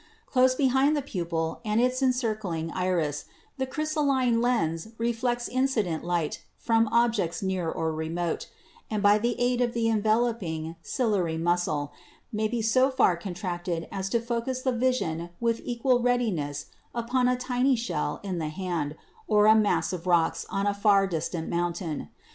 Close behind the pupil and its encircling iris the crystal line lens refracts incident light from objects near or re mote, and by the aid of the enveloping 'ciliary' muscle may be so far contracted as to focus the vision with equal readiness upon a tiny shell in the hand or a mass of rocks on a far distant mountain.